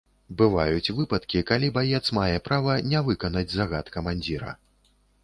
Бываюць выпадкі, калі баец мае права не выканаць загад камандзіра.